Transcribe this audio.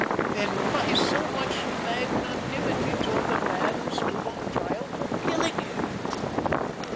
THEN WHY SUCH MAGNANIMITY TOWARDS THE MAN WHO STOOD ON TRIAL FOR KILLING HIM?"